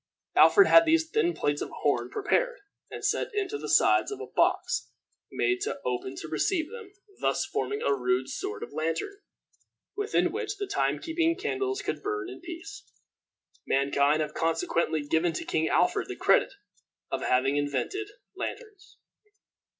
Alfred had these thin plates of horn prepared, and set into the sides of a box made open to receive them, thus forming a rude sort of lantern, within which the time keeping candles could burn in peace. Mankind have consequently given to King Alfred the credit of having invented lanterns.